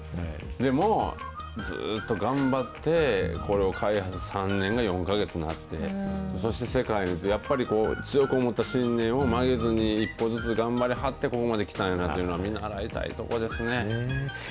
もうずっと頑張ってこれを開発、３年が４か月になって、そして世界で、やっぱりこう、強く持った信念を曲げずに、一歩ずつ頑張りはって、ここまで来たんやなというのは、見習いたいところですね。